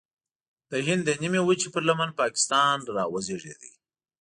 د هند د نیمې وچې پر لمن پاکستان راوزېږید.